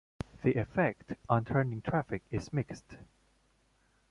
The effect on turning traffic is mixed.